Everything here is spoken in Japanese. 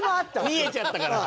見えちゃったから。